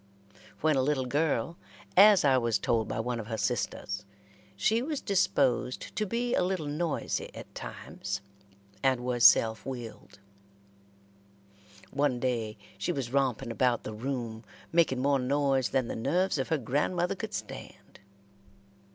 When a little girl, as I was told by one of her sisters, she was disposed to be a little noisy at times, and was self willed. One day she was romping about the room, making more noise than the nerves of her grandmother could stand.